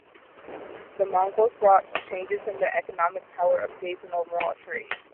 The Mongols brought about changes in the economic power of states and overall trade.